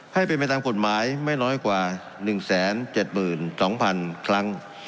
ให้เป็นไปตามกฎหมายไม่น้อยกว่า๑๗๒๐๐๐ครั้ง